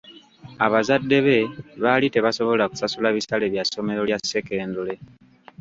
Abazadde be baali tebasobola kusasula bisale bya ssomero lya sekendule.